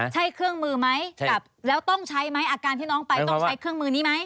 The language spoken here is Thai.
ใช่เครื่องมือไหมแล้วต้องใช้ไหมอาการที่น้องไปต้องใช้เครื่องมือนี้ไหม